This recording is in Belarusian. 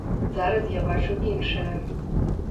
Зараз я бачу іншае.